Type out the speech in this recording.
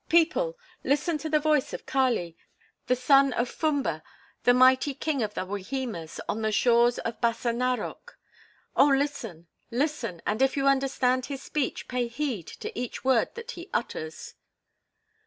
people! Listen to the voice of Kali, the son of Fumba, the mighty king of the Wahimas on the shores of Bassa Narok. Oh listen, listen, and if you understand his speech, pay heed to each word that he utters."